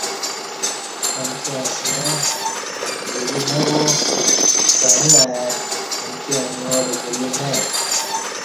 امکی اسݣہ ، وری نہ وا، کعں ای امکی انیار بولہ نہ ای